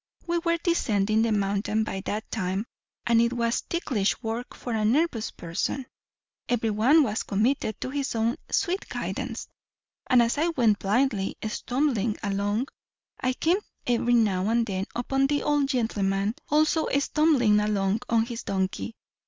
We were descending the mountain by that time, and it was ticklish work for a nervous person; every one was committed to his own sweet guidance; and as I went blindly stumbling along, I came every now and then upon the old gentleman, also stumbling along, on his donkey.